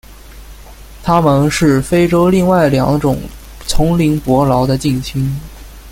它们是非洲另外两种丛林伯劳的近亲。